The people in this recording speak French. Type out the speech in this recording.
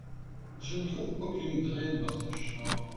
Je ne trouve aucune graine dans ce champ.